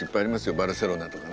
バルセロナとかね